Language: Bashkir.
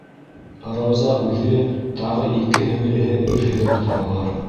Рауза үҙе, тағы ике һеңлеһе ирһеҙ ултыралар.